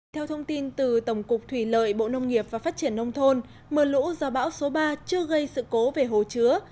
theo thông tin từ tổng cục thủy lợi bộ nông nghiệp và phát triển nông thôn mưa lũ do bão số ba chưa gây sự cố về hồ chứa